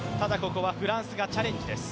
ここはフランスがチャレンジです。